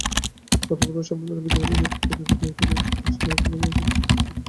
প্রথম পর্বের সম্মেলনে বিদ্রোহীদের নেতৃত্ব দেন বিদ্রোহীদের জোট ন্যাশনাল কোয়ালিশনের প্রধান আহমেদ জাবরা।